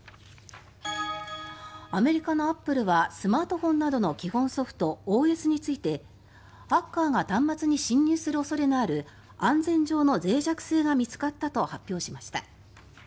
アメリカのアップルはスマートフォンなどの基本ソフトＯＳについてハッカーが端末に侵入する恐れがある安全上のぜい弱性が見つかったと発表しました。